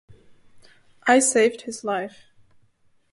I saved his life.